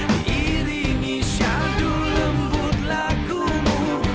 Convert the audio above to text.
diiringi syardul lembut lakumu